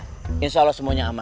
tidak sudah ya mama